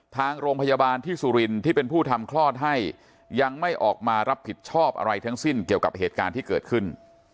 ทางโรงพยาบาลที่สุรินทร์ที่เป็นผู้ทำคลอดให้ยังไม่ออกมารับผิดชอบอะไรทั้งสิ้นเกี่ยวกับเหตุการณ์ที่เกิดขึ้น